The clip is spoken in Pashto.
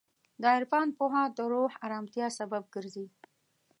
د عرفان پوهه د روح ارامتیا سبب ګرځي.